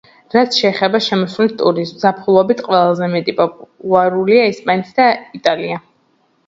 რაც შეეხება შემოსვლით ტურიზმს, ზაფხულობით ყველაზე პოპულარულია ესპანეთი და იტალია.